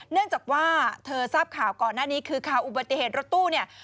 เนื่องจากว่าเธอทราบข่าวก่อนหน้านี้คือข่าวอุบัติเหตุรถตู้เนี่ย